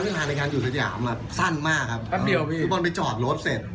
เราไหนกันอยู่สะยามอะสั้นมากครับเมื่อคือบอลไปจอกรถเสร็จ